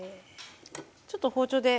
ちょっと包丁で。